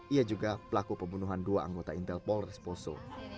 ia juga pelaku pembunuhan dua anggota intel polres poso